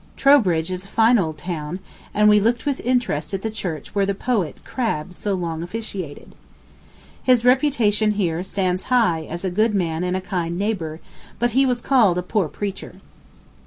Trowbridge is a fine old town, and we looked with interest at the church where the poet Crabbe so long officiated. His reputation here stands high as a good man and kind neighbor, but he was called a poor preacher.